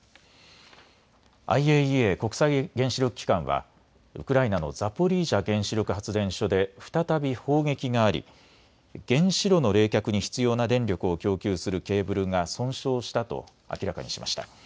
ＩＡＥＡ・国際原子力機関はウクライナのザポリージャ原子力発電所で再び砲撃があり原子炉の冷却に必要な電力を供給するケーブルが損傷したと明らかにしました。